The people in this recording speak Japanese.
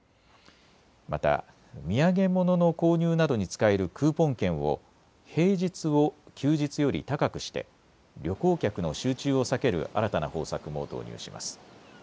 また土産物の購入などに使えるクーポン券を平日を休日より高くして旅行客の集中を避ける新たな方策も導入します。